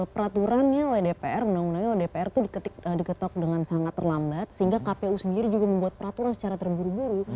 peraturannya oleh dpr undang undangnya oleh dpr itu diketok dengan sangat terlambat sehingga kpu sendiri juga membuat peraturan secara terburu buru